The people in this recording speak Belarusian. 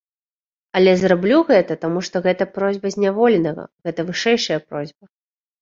Але зраблю гэта, таму што гэта просьба зняволенага, гэта вышэйшая просьба.